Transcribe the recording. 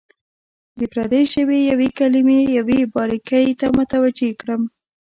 د پردۍ ژبې یوې کلمې یوې باریکۍ ته متوجه کړم.